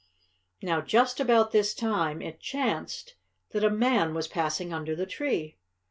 Now, just about this time, it chanced that a man was passing under the tree.